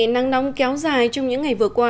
nắng nóng kéo dài trong những ngày vừa qua